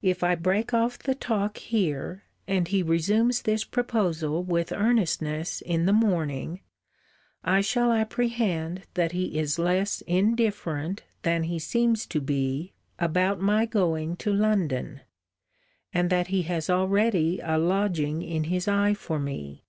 If I break off the talk here, and he resume this proposal with earnestness in the morning, I shall apprehend that he is less indifferent than he seems to be about my going to London, and that he has already a lodging in his eye for me.